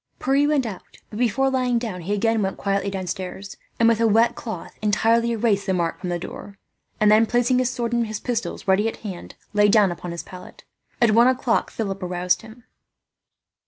Pierre went out, but before lying down he again went quietly downstairs and, with a wet cloth, entirely erased the mark from the door; and then, placing his sword and his pistols ready at hand, lay down on his pallet. At one o'clock Philip aroused him.